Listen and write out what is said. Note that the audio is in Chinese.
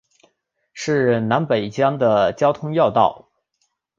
是南北疆的交通要道。